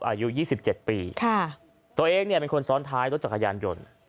อายุ๒๗ปีค่ะตัวเองเนี่ยเป็นคนซ้อนท้ายรถจักรยานยนต์